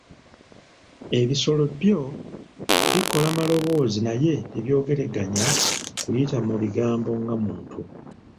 Ebisolo byo bikola maloboozi naye tebyogeraganya kuyita mu bigambo nga muntu